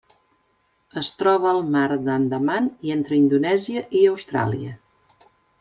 Es troba al Mar d'Andaman i entre Indonèsia i Austràlia.